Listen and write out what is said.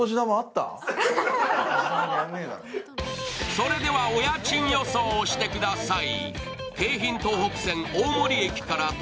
それではお家賃予想をしてください。